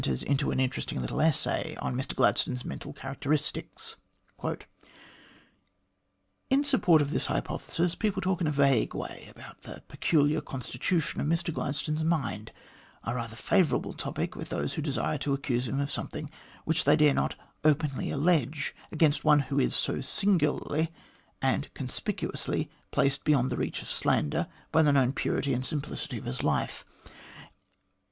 A GRIEVOUS ERROR OF MR GLADSTONE'S 165 into an interesting little essay on Mr Gladstone's mental characteristics :" Iii support of this hypothesis, people talk in a vague way about the peculiar constitution of Mr Gladstone's mind, a rather favourite topic with those who desire to accuse him of something which they dare not openly allege against one who is so singularly and conspicuously placed beyond the reach of slander, by the known purity and simplicity of his life.